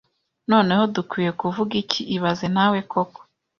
Noneho dukwiye kuvuga iki ibaze nawe koko